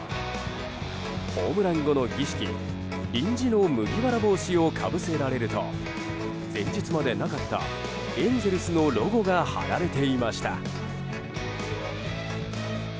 ホームラン後の儀式臨時の麦わら帽子をかぶせられると前日までなかったエンゼルスのロゴが貼られていました。